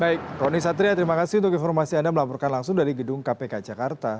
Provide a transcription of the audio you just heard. baik roni satria terima kasih untuk informasi anda melaporkan langsung dari gedung kpk jakarta